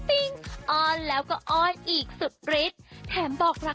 ที่ในโลกท้องค่ะ